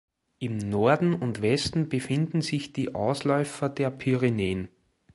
Im Norden und Westen befinden sich die Ausläufer der Pyrenäen.